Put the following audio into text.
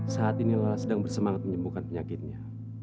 saat ini lala sedang bersemangat menyembuhkan penyakitnya